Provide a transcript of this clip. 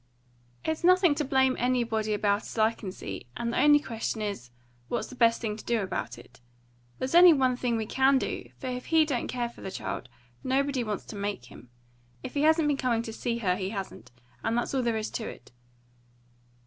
"It's nothing to blame anybody about, as I can see, and the only question is, what's the best thing to do about it. There's only one thing we can do; for if he don't care for the child, nobody wants to make him. If he hasn't been coming to see her, he hasn't, and that's all there is to it."